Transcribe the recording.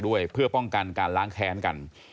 ด้วยเพื่อป้องกันการล้างแค้นกัน